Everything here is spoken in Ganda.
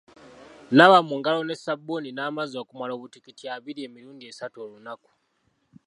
Naaba mu ngalo ne ssabbuuni n'amazzi okumala obutikitiki abiri emirundi esatu olunaku.